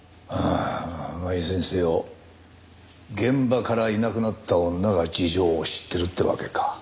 あいずれにせよ現場からいなくなった女が事情を知ってるってわけか。